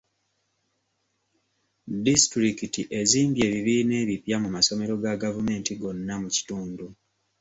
Disitulikiti ezimbye abibiina ebipya mu masomero ga gavumenti gonna mu kitundu.